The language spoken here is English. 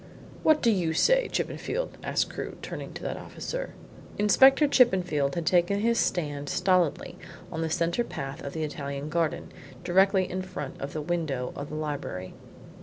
"What do you say, Chippenfield?" asked Crewe, turning to that officer. Inspector Chippenfield had taken his stand stolidly on the centre path of the Italian garden, directly in front of the window of the library.